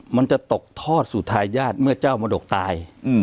มันจะตกทอดสู่ทายาทเมื่อเจ้ามรดกตาย